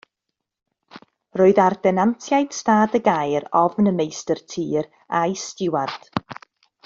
Roedd ar denantiaid stad y Gaer ofn y meistr tir a'i stiward.